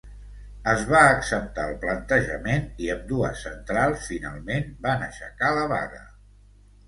Es va acceptar el plantejament i ambdues centrals finalment van aixecar la vaga.